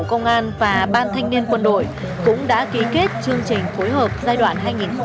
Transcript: bộ công an và ban thanh niên quân đội cũng đã ký kết chương trình phối hợp giai đoạn hai nghìn một mươi ba hai nghìn hai mươi năm